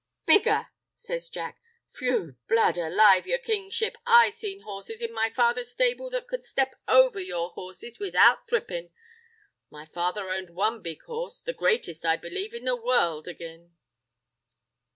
"Bigger!" says Jack. "Phew! Blood alive, yer Kingship, I seen horses in my father's stable that could step over your horses without thrippin'. My father owned one big horse—the greatest, I believe, in the world again."